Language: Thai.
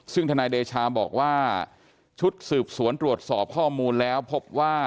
ซึ่งทนายเดชาบอกว่าชุดสืบสวนตรวจสอบข้อมูลแล้วพบว่า